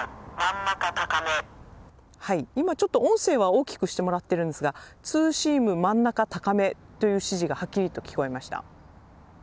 今ちょっと音声は大きくしてもらってるんですがツーシーム真ん中高めという指示がはっきりと聞こえました。